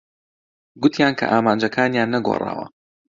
گوتیان کە ئامانجەکانیان نەگۆڕاوە.